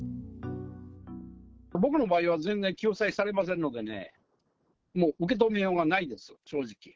僕の場合は全然救済されませんのでね、もう受け止めようがないですよ、正直。